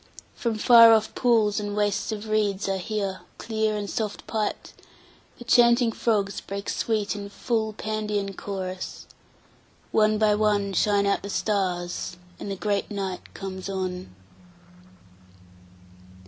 11From far off pools and wastes of reeds I hear,12Clear and soft piped, the chanting frogs break sweet13In full Pandean chorus. One by one14Shine out the stars, and the great night comes on.